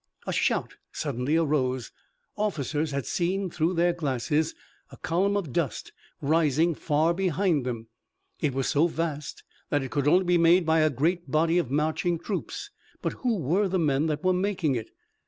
A shout suddenly arose. Officers had seen through their glasses a column of dust rising far behind them. It was so vast that it could only be made by a great body of marching troops. But who were the men that were making it?